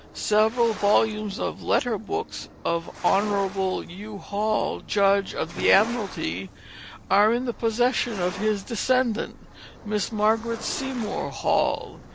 Several volumes of letter books of Hon. Hugh Hall, Judge of the Admiralty, are in the possession of his descendant, Miss Margaret Seymour Hall.